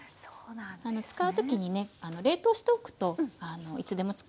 使う時にね冷凍しておくといつでも使えるので。